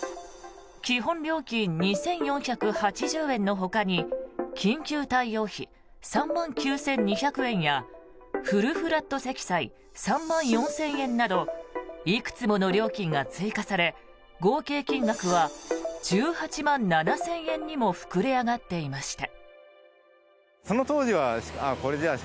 基本料金２４８０円のほかに緊急対応費３万９２００円やフルフラット積載３万４０００円などいくつもの料金が追加され合計金額は１８万７０００円にも膨れ上がっていました。